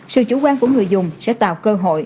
sự chủ quan của người dùng sẽ tạo cơ hội